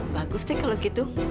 bagus deh kalau gitu